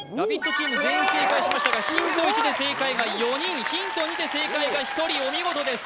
チーム全員正解しましたがヒント１で正解が４人ヒント２で正解が１人お見事です